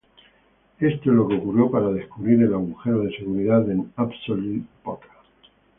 Esto es lo que ocurrió para descubrir el agujero de seguridad en Absolute Poker.